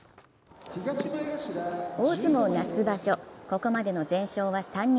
大相撲夏場所、ここまでの全勝は３人。